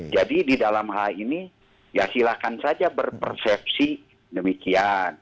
jadi di dalam hal ini ya silahkan saja berpersepsi demikian